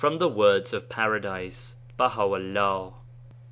The "Words of Paradise," Baha'u'llah.